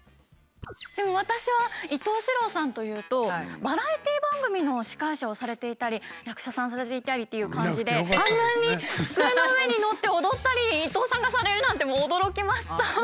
でも私は伊東四朗さんというとバラエティー番組の司会者をされていたり役者さんされていたりっていう感じであんなに机の上に乗って踊ったり伊東さんがされるなんてもう驚きました。